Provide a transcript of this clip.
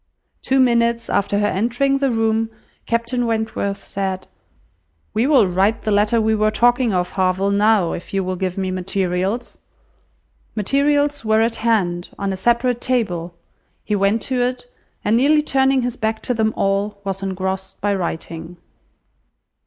Two minutes after her entering the room, Captain Wentworth said— "We will write the letter we were talking of, Harville, now, if you will give me materials." Materials were at hand, on a separate table; he went to it, and nearly turning his back to them all, was engrossed by writing.